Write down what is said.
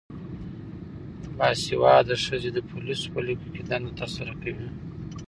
باسواده ښځې د پولیسو په لیکو کې دنده ترسره کوي.